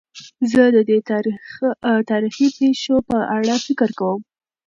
زه د دې تاریخي پېښو په اړه فکر کوم.